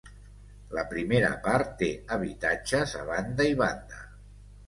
La primera part té habitatges a banda i banda.